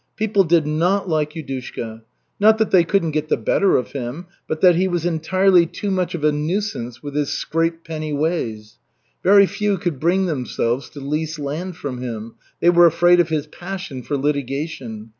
People did not like Yudushka. Not that they couldn't get the better of him, but that he was entirely too much of a nuisance with his scrape penny ways. Very few could bring themselves to lease land from him. They were afraid of his passion for litigation.